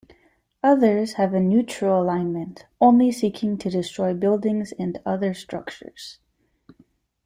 Others have a neutral alignment, only seeking to destroy buildings and other structures.